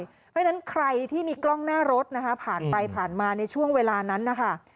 เพราะฉะนั้นใครที่มีกล้องหน้ารถนะคะผ่านไปผ่านมาในช่วงเวลานั้นนะคะ